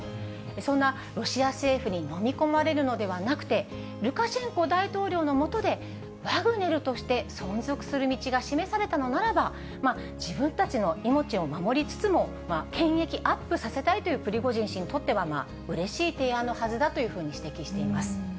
そんなロシア政府に飲み込まれるのではなくて、ルカシェンコ大統領の下で、ワグネルとして存続する道が示されたのならば、自分たちの命を守りつつも、権益アップさせたいというプリゴジン氏にとっては、うれしい提案のはずだというふうに指摘しています。